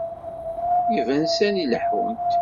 Iban sani leḥḥunt.